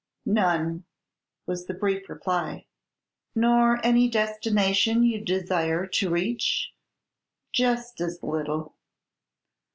"None," was the brief reply. "Nor any destination you desire to reach?" "Just as little."